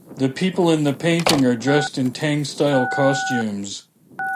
The people in the painting are dressed in Tang style costumes.